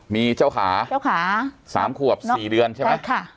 มีเจ้าขาเจ้าขา๓ขวบ๔เดือนใช่ไหม